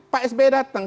pak sbi datang